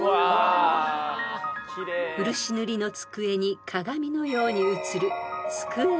［漆塗りの机に鏡のように映る］